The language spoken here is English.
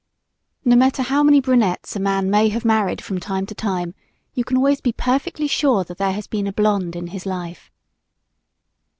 No matter how many brunettes a man may have married from time to time you can always be perfectly sure that there has been a blonde in his life.